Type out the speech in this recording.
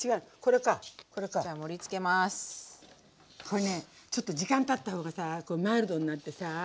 これねちょっと時間たった方がさあマイルドになってさあ。